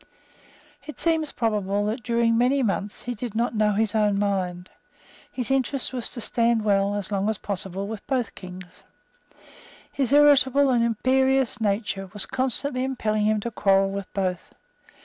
It seems probable that, during many months, he did not know his own mind. His interest was to stand well, as long as possible, with both Kings. His irritable and imperious nature was constantly impelling him to quarrel with both.